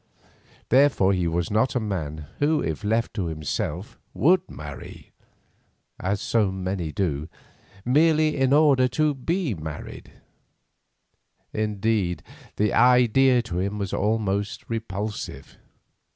Therefore he was not a man who if left to himself, would marry, as so many do, merely in order to be married; indeed, the idea to him was almost repulsive.